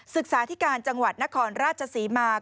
ศึกษาที่การจังหวัดนครราชศรีมา